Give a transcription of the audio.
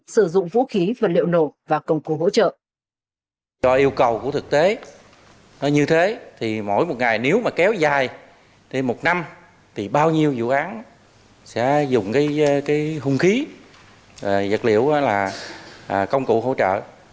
sử dụng vũ khí vật liệu nổ và công cụ hỗ trợ